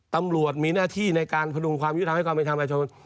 ตำรวจมีหน้าที่ในการพดุงความยุทธรรมให้ความเป็นธรรมประชาชน